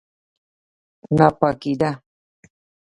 نه پاکېده.